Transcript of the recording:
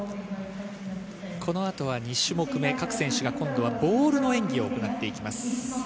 この後は２種目目、今度はボールの演技を行っていきます。